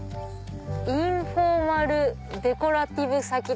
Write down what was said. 「インフォーマルデコラティブ咲き」。